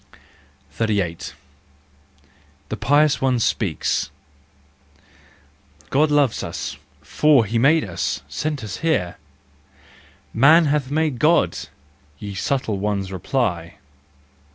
38 . The Pious One Speaks . God loves us, for he made us, sent us here!— " Man hath made God !" ye subtle ones reply.